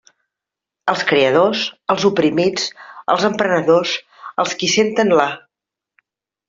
Els creadors, els oprimits, els emprenedors, els qui senten la.